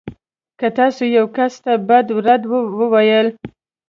که تاسو يو کس ته بد رد وویل.